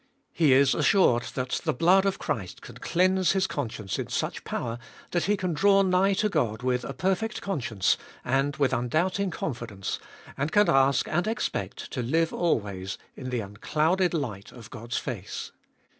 He is assured that the blood of Christ can cleanse his conscience in such power that he can draw nigh to God with a perfect conscience and with undoubting confidence, and can ask and expect to live always in the unclouded light of 374 Gbe iboliest of all God's face.